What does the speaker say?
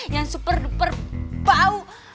yang super duper bau